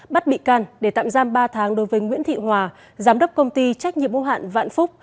bắt bị can để tạm giam ba tháng đối với nguyễn thị hòa giám đốc công ty trách nhiệm mô hạn vạn phúc